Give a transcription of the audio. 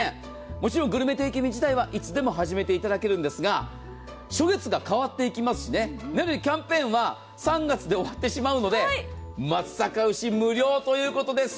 もちろんグルメ定期便自体はいつでも始めていただけるんですが初月が変わってきますしキャンペーンは３月で終わってしまうので松阪牛、無料ということです。